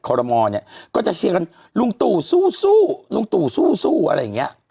รมอลเนี่ยก็จะเชียร์กันลุงตู่สู้ลุงตู่สู้อะไรอย่างเงี้ย